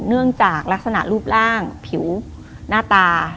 เนื่องจากลักษณะรูปร่างผิวหน้าตา